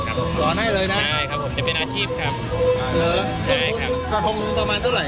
กลับไปกันนะครับ